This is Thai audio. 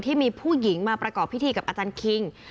ที่มีผู้หญิงมาประกอบพิธีกับอาจารย์คิง